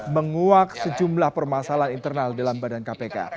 menguak sejumlah permasalahan internal dalam badan kpk